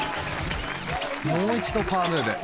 もう一度パワームーブ。